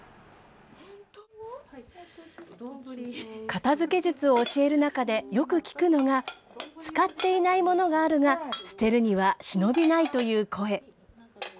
片づけ術を教える中で、よく聞くのが、使っていないものがあるが、捨てるにはしのびないという声。